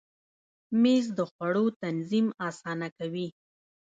مېز د خوړو تنظیم اسانه کوي.